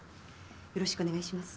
よろしくお願いします。